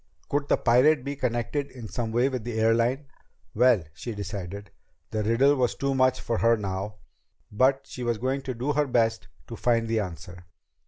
Could the pirate be connected in some way with the airline? Well, she decided, the riddle was too much for her now. But she was going to do her best to find the answer!